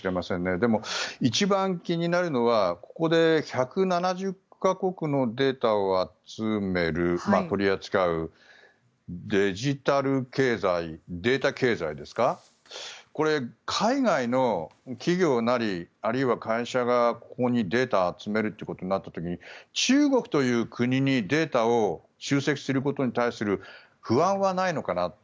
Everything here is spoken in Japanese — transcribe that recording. でも、一番気になるのはここで１７０か国のデータを集める、取り扱うデジタル経済、データ経済ですかこれ、海外の企業なりあるいは会社がここにデータを集めるとなった時に中国という国にデータを集積することに対する不安はないのかなと。